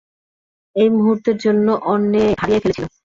এক মুহূর্তের জন্য হারিয়েই ফেলেছিলে!